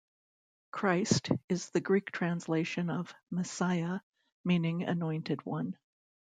"Christ" is the Greek translation of "Messiah", meaning "Anointed one".